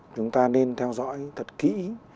chúng ta nên theo dõi thật kỹ